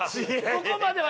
ここまでは。